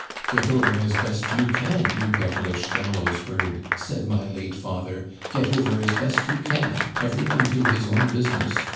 "* Get over as best you can, you devilish gallows bird,' said my late father. * Get over as best you can ; every one to his own business.